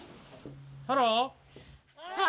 ハロー！